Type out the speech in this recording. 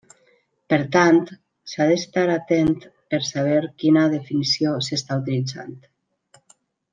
Per tant, s'ha d'estar atent per saber quina definició s'està utilitzant.